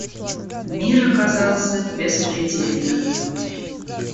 Мир оказался беспредельным.